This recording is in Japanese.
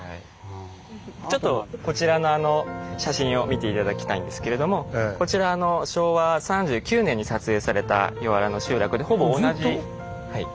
ちょっとこちらの写真を見て頂きたいんですけれどもこちら昭和３９年に撮影された江原の集落で。